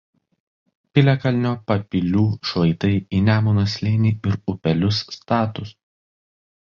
Piliakalnio papilių šlaitai į Nemuno slėnį ir upelius statūs.